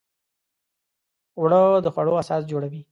اوړه د خوړو اساس جوړوي